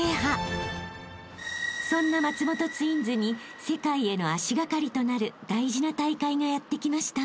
［そんな松本ツインズに世界への足掛かりとなる大事な大会がやって来ました］